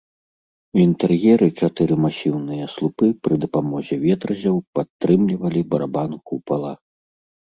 У інтэр'еры чатыры масіўныя слупы пры дапамозе ветразяў падтрымлівалі барабан купала.